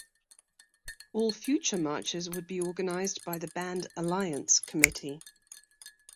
All future marches would be organised by the Band Alliance committee.